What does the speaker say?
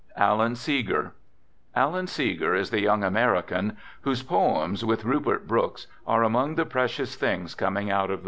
ALAN SEEGER Alan Seeger is the young American whose poems, with Rupert Brooke's, are among the precious things coming out of the war.